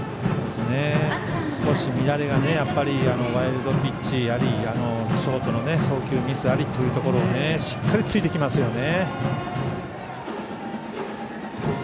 少し乱れがワイルドピッチありショートの送球ミスありというところでしっかりついてきますよね。